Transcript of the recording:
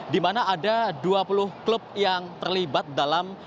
di mana ada dua puluh klub yang terlibat dalam